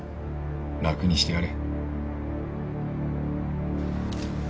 楽にしてやれ。